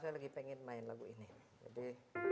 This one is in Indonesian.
saya lagi pengen main lagu ini jadi